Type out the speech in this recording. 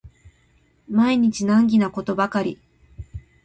毎日難儀なことばかり